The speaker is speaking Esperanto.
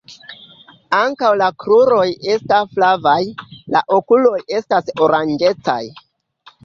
Ankaŭ la kruroj esta flavaj, La okuloj estas oranĝecaj.